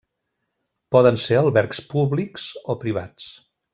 Poden ser albergs públics o privats.